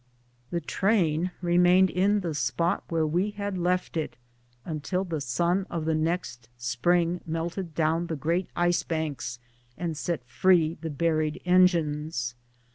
The train remained in the spot where we had left it until the sun of the next spring melted down the great ice banks and set free the buried engines.